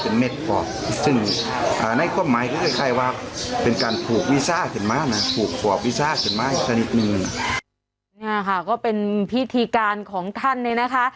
นี่ค่ะก็เป็นพิธีการของท่านเนี่ยนะคะ